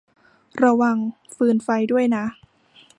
ระวังฟืนไฟด้วยนะ